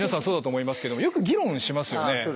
そうだと思いますけどもよく議論しますよね。